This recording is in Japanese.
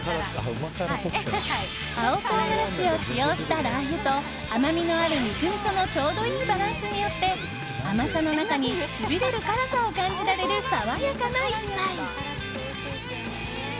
青唐辛子を使用したラー油と甘みのある肉みそのちょうどいいバランスによって甘さの中にしびれる辛さを感じられる爽やかな一杯。